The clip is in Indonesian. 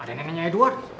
ada neneknya edward